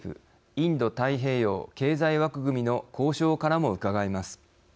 インド太平洋経済枠組みの交渉からもうかがえます。